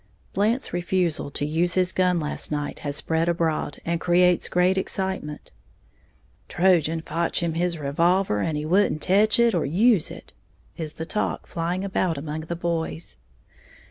Blant's refusal to use his gun last night has spread abroad, and creates great excitement. "Trojan fotch him his revolver and he wouldn't tech it or use it," is the talk flying about among the boys.